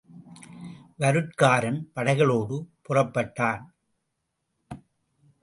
வருடகாரன் படைகளோடு புறப்பட்டான்.